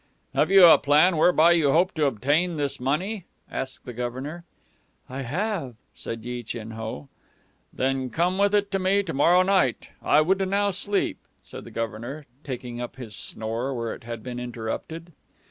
"Have you a plan whereby you hope to obtain this money?" asked the Governor. "I have," said Yi Chin Ho. "Then come with it to me to morrow night; I would now sleep," said the Governor, taking up his snore where it had been interrupted.